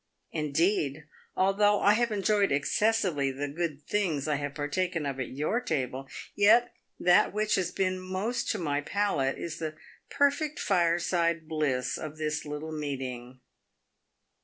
Indeed, although I have enjoyed excessively the good things I have partaken of at your table, yet that which has been most to my palate is the perfect fireside bliss of this little meeting."